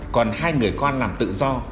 còn hai người con làm tự do